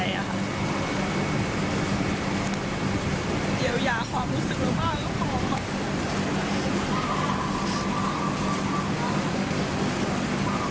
เกี่ยวอย่าความรู้สึกรึงบ้างก็พอค่ะ